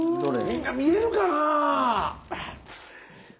みんな見えるかな？